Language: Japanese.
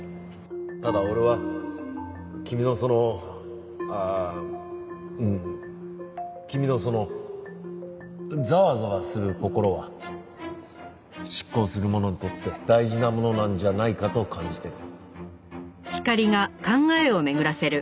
ただ俺は君のそのうん。君のそのざわざわする心は執行する者にとって大事なものなんじゃないかと感じてる。